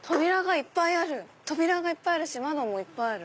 扉がいっぱいあるし窓もいっぱいある。